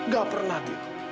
gak pernah dil